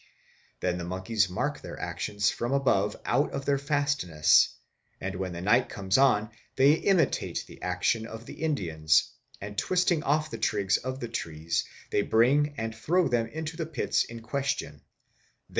Then the monkeys mark their actions from above out of their fastnesses, and when the night comes on they imitate the action of the Indians, and twisting off the twigs of the trees, they bring and throw them into the pits in question; then.